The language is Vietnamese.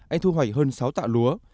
anh thu hoạch hơn sáu tạ lúa